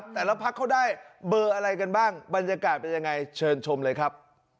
แต่ละพักเขาได้เบอร์อะไรกันบ้างบรรยากาศเป็นยังไงเชิญชมเลยครับ